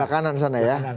di sebelah kanan sana ya